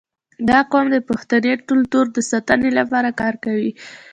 • دا قوم د پښتني کلتور د ساتنې لپاره کار کوي.